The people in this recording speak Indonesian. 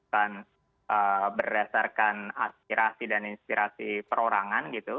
dan berdasarkan aspirasi dan inspirasi perorangan gitu